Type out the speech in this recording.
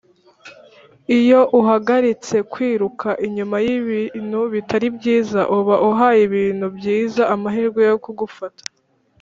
"iyo uhagaritse kwiruka inyuma y'ibintu bitari byiza, uba uhaye ibintu byiza amahirwe yo kugufata."